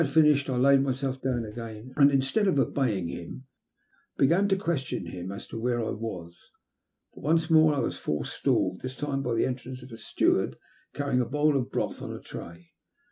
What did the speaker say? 901 finished I laid myself down again, and, instead of obejTing him, began to question him as to where I was. But once more I was forestalled, this time by the entrance of a steward carrying a bowl of broth on a tray.